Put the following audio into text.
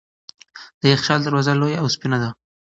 د یخچال دروازه لویه او سپینه وه.